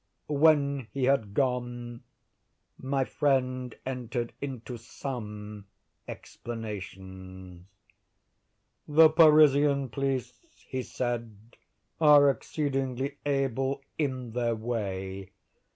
When he had gone, my friend entered into some explanations. "The Parisian police," he said, "are exceedingly able in their way.